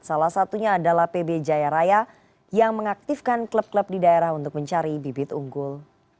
salah satunya adalah pb jaya raya yang mengaktifkan klub klub di daerah untuk mencari bibit unggul